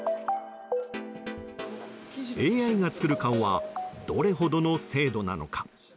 ＡＩが作る顔はどれほどの精度なのか。